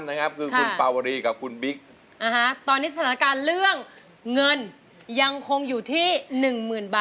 ร้องผิดจริงนะครับ